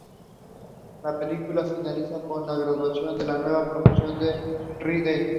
La película finaliza con la graduación de la nueva promoción de Rydell.